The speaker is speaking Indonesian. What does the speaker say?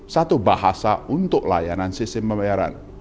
satu bahasa untuk layanan sistem pembayaran